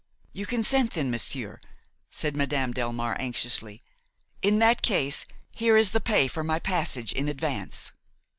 "You consent then, monsieur?" said Madame Delmare anxiously. "In that case here is the pay for my passage in advance."